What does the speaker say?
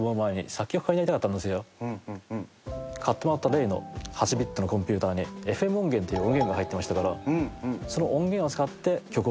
買ってもらった例の８ビットのコンピューターにＦＭ音源っていう音源が入ってましたからその音源を使って曲を作り始めて。